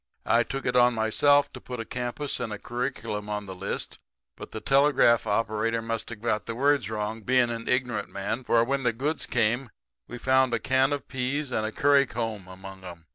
I took it on myself to put a campus and a curriculum on the list; but the telegraph operator must have got the words wrong, being an ignorant man, for when the goods come we found a can of peas and a curry comb among 'em.